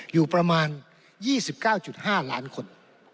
อยู่ประมาณ๒๙๕ล้านคน